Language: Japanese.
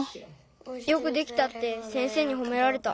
よくできたって先生にほめられた。